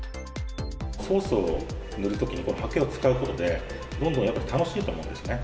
ソースを塗るときにはけを使うことで、どんどんやっぱり楽しいと思うんですね。